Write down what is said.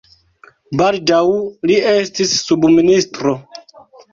Baldaŭ li estis subministro.